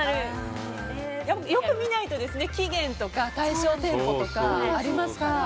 よく見ないとですね、期限とか対象店舗とかありますから。